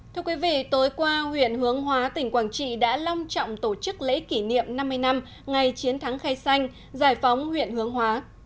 thưa quý vị tối qua huyện hướng hóa tỉnh quảng trị đã long trọng tổ chức lễ kỷ niệm năm mươi năm ngày chiến thắng khai xanh giải phóng huyện hướng hóa